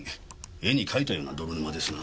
絵に描いたような泥沼ですな。